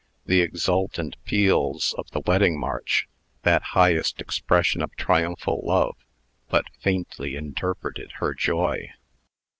The exultant peals of the Wedding March that highest expression of triumphal love but faintly interpreted her joy.